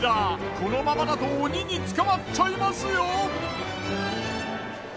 このままだと鬼に捕まっちゃいますよ。